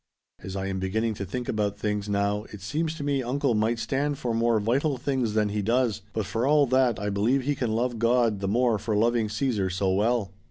As I am beginning to think about things now it seems to me uncle might stand for more vital things than he does, but for all that I believe he can love God the more for loving Caesar so well."